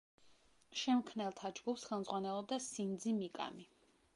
შემქმნელთა ჯგუფს ხელმძღვანელობდა სინძი მიკამი.